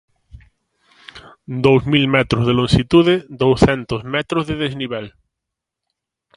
Dous mil metros de lonxitude, douscentos metros de desnivel.